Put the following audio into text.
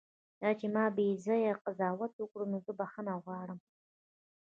دا چې ما بیځایه قضاوت وکړ، نو زه بښنه غواړم.